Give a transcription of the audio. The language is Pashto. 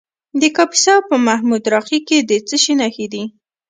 د کاپیسا په محمود راقي کې د څه شي نښې دي؟